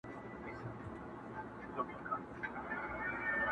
وينو به اور واخيست ګامونو ته به زور ورغی!!